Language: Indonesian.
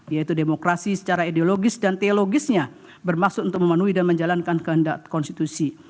yaitu demokrasi secara ideologis dan teologisnya bermaksud untuk memenuhi dan menjalankan kehendak konstitusi